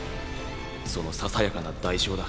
そのささやかな代償だ。